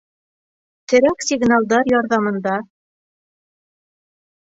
Терәк сигналдар ярҙамында